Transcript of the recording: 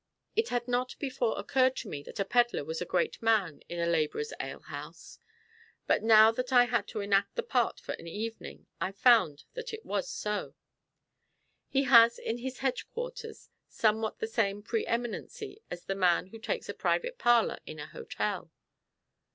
It had not before occurred to me that a pedlar was a great man in a labourer's ale house; but now that I had to enact the part for an evening, I found that so it was. He has in his hedge quarters somewhat the same pre eminency as the man who takes a private parlour in an hotel.